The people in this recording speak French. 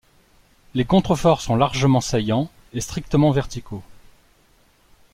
Les contreforts sont largement saillants et strictement verticaux.